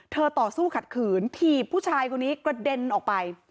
ต่อสู้ขัดขืนถีบผู้ชายคนนี้กระเด็นออกไป